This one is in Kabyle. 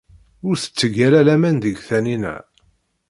Ur tetteg ara laman deg Taninna.